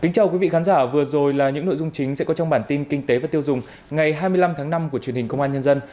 chào mừng quý vị đến với bản tin kinh tế và tiêu dùng ngày hai mươi năm tháng năm của truyền hình công an nhân dân